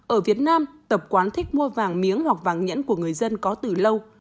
ở việt nam tập quán thích mua vàng miếng hoặc vàng nhẫn của người dân có từ lâu